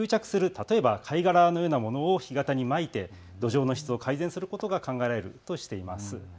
例えば貝殻のようなものを干潟にまいて土壌の質を改善することなどが考えられるとしています。